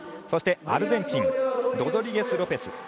そして、アルゼンチンロドリゲスロペス。